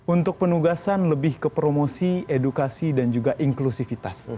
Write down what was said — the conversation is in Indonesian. untuk penugasan lebih ke promosi edukasi dan juga inklusivitas